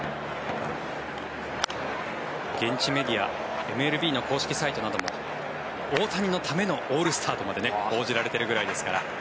現地メディアＭＬＢの公式サイトなども大谷のためのオールスターとまで報じられているぐらいですから。